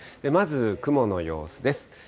まず雲の様子です。